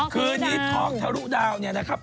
คืนนี้ท้องทะลุดาวเนี่ยนะครับ